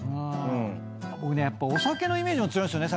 僕ねやっぱお酒のイメージも強いんですよね